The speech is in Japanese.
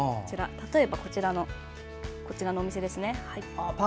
例えば、こちらのお店ですね。